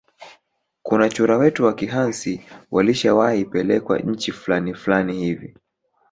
Kuna chura wetu wa kihansi walishawahi pelekwa nchi flani flani hivi